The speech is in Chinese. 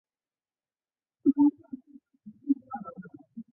后由杨可芳接任。